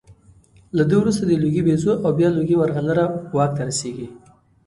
له ده وروسته د لوګي بیزو او بیا لوګي مرغلره واک ته رسېږي